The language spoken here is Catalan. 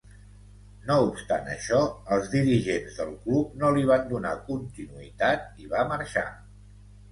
No obstant això, els dirigents del club no li van donar continuïtat i va marxar.